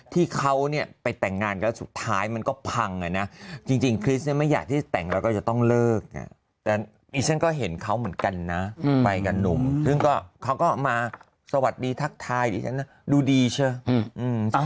ที่เขาเนี่ยไปแต่งงานแล้วสุดท้ายมันก็พังอ่ะนะจริงคริสเนี่ยไม่อยากที่จะแต่งแล้วก็จะต้องเลิกแต่ดิฉันก็เห็นเขาเหมือนกันนะไปกับหนุ่มซึ่งก็เขาก็มาสวัสดีทักทายดิฉันดูดีใช่ไหม